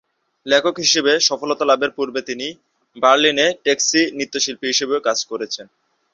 লেখক হিসেবে সফলতা লাভের পূর্বে তিনি বার্লিনে ট্যাক্সি নৃত্যশিল্পী হিসেবেও কাজ করেছেন।